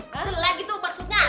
jelek gitu maksudnya